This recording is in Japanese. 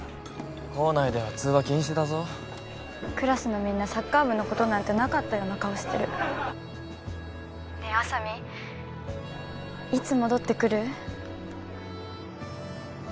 校内では通話禁止だぞクラスのみんなサッカー部のことなんてなかったような顔してる☎ねえあさみんいつ戻ってくる？